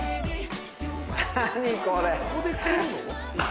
何これ。